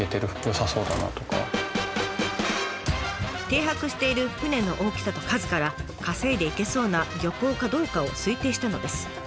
停泊している船の大きさと数から稼いでいけそうな漁港かどうかを推定したのです。